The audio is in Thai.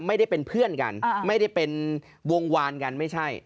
ไม่ได้เป็นเพื่อนกันไม่ได้เป็นวงวานกันไม่ใช่